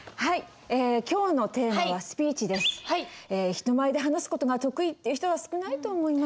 人前で話す事が得意っていう人は少ないと思います。